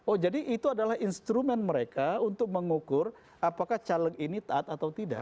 oh jadi itu adalah instrumen mereka untuk mengukur apakah caleg ini taat atau tidak